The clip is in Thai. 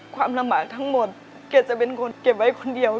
ความลำบากทั้งหมดแกจะเป็นคนเก็บไว้คนเดียว